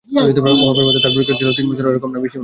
ওহাবের মতে, তার পরীক্ষাকাল ছিল তিন বছর এর কমও নয়, বেশিও নয়।